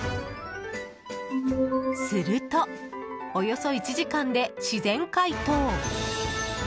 すると、およそ１時間で自然解凍。